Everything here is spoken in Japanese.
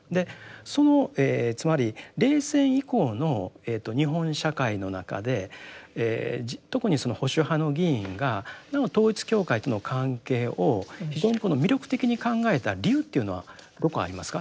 そのつまり冷戦以降の日本社会の中で特にその保守派の議員がなお統一教会との関係を非常に魅力的に考えた理由というのはどこありますか。